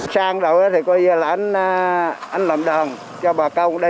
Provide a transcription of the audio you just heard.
sang đầu thì coi như là anh làm đòn cho bà công đi